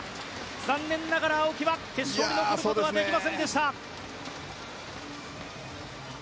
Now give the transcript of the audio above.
残念ながら青木は決勝に残れませんでした。